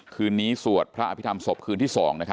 คืนนี้สวดพระอภิษฐรรศพคืนที่๒